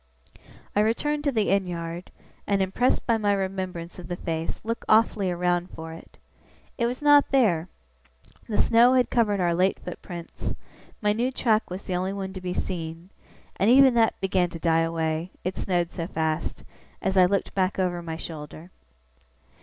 I returned to the inn yard, and, impressed by my remembrance of the face, looked awfully around for it. It was not there. The snow had covered our late footprints; my new track was the only one to be seen; and even that began to die away (it snowed so fast) as I looked back over my shoulder.